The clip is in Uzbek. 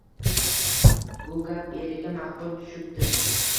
Bu gap eriga ma'qul tushibdi